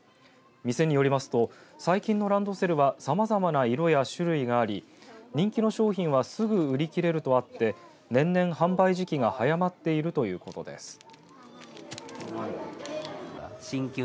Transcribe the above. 店によりますと最近のランドセルはさまざまな色や種類があり人気の商品はすぐ売り切れるとあって年々、販売時期が早まっているということです。